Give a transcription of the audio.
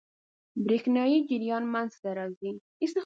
برېښنايي جریان منځ ته راځي.